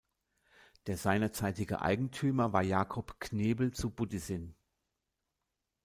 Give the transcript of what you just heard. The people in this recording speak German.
Der seinerzeitige Eigentümer war Jacob Knebel zu Budissin.